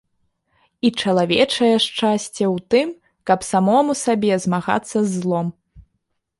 І чалавечае шчасце ў тым, каб самому сабе змагацца з злом.